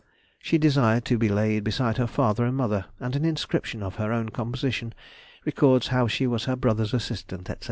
She desired to be laid beside her father and mother, and an inscription of her own composition records how she was her brother's assistant, &c.